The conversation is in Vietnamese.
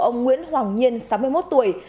ông nguyễn hoàng nhiên sáu mươi một tuổi